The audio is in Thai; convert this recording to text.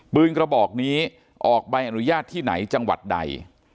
กระบอกนี้ออกใบอนุญาตที่ไหนจังหวัดใด